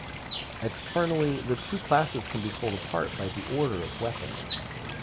Externally, the two classes can be told apart by the order of weapons.